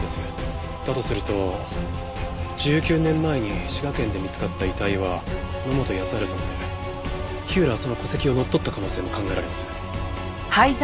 だとすると１９年前に滋賀県で見つかった遺体は野本康治さんで火浦はその戸籍を乗っ取った可能性も考えられます。